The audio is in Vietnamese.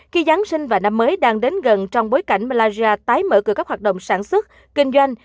khi giáng sinh và năm mới đang đến gần trong bối cảnh malaysia tái mở cửa các hoạt động sản xuất kinh doanh